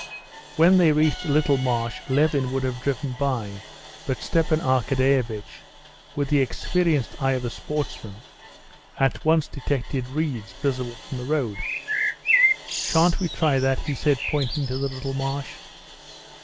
When they reached a little marsh Levin would have driven by, but Stepan Arkadyevitch, with the experienced eye of a sportsman, at once detected reeds visible from the road. "Shan't we try that?" he said, pointing to the little marsh.